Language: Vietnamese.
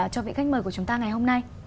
cho vị khách mời của chúng ta ngày hôm nay